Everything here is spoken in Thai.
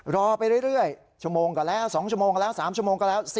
รอไปเรื่อยชั่วโมงก็แล้ว๒ชั่วโมงแล้ว๓ชั่วโมงก็แล้ว